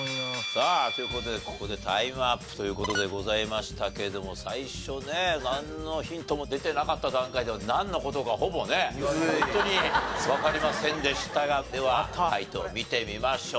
さあという事でここでタイムアップという事でございましたけども最初ねなんのヒントも出てなかった段階ではなんの事かほぼねホントにわかりませんでしたがでは解答見てみましょう。